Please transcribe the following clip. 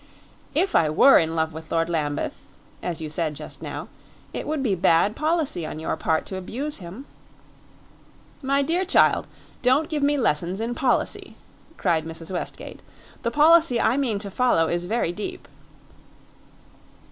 "If I were in love with Lord Lambeth, as you said just now, it would be bad policy on your part to abuse him." "My dear child, don't give me lessons in policy!" cried Mrs. Westgate. "The policy I mean to follow is very deep."